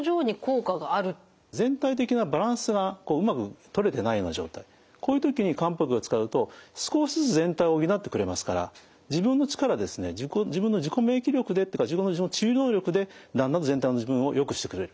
全体的なバランスがうまくとれてないような状態こういう時に漢方薬を使うと少しずつ全体を補ってくれますから自分の力で自分の自己免疫力でっていうか自分の治癒能力でだんだん全体の自分をよくしてくれる。